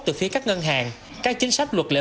từ phía các ngân hàng các chính sách luật lệ